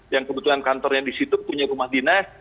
yang kebetulan kantor yang di situ punya rumah dinas